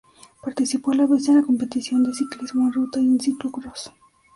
Participó a la vez en la competición de ciclismo en ruta y en ciclo-cross.